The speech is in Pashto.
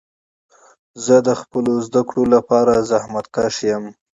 زه د خپلو زده کړو لپاره زحمت کښ یم.